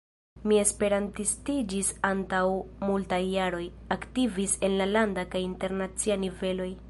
Mi esperantistiĝis antaŭ multaj jaroj, aktivis en la landa kaj internacia niveloj.